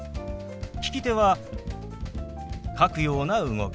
利き手は書くような動き。